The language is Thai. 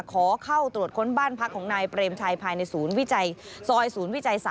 ขอเข้าตรวจค้นบ้านพักของนายเปรมชัยภายในศูนย์วิจัยซอยศูนย์วิจัย๓